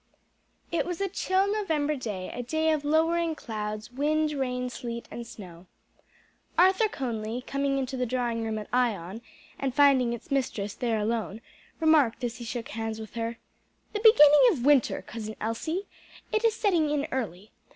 _ It was a chill November day, a day of lowering clouds, wind, rain, sleet and snow. Arthur Conly coming into the drawing room at Ion and finding its mistress there alone, remarked as he shook hands with her, "The beginning of winter, Cousin Elsie! It is setting in early.